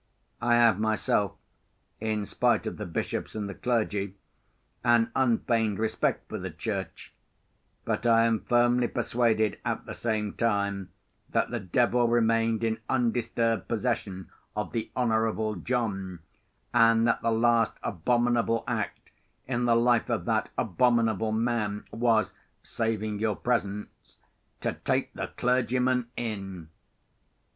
I have myself (in spite of the bishops and the clergy) an unfeigned respect for the Church; but I am firmly persuaded, at the same time, that the devil remained in undisturbed possession of the Honourable John, and that the last abominable act in the life of that abominable man was (saving your presence) to take the clergyman in!